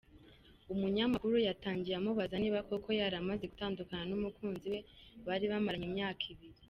Umunyamakuru yatangiye amubaza niba koko yaramaze gutandukana n’umukunzi we bari bamaranye imyaka ibiri.